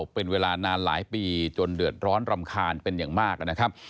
เป็นเวลานานหลายปีจนเดือดร้อนรำคาญเป็นอย่างมากนะครับ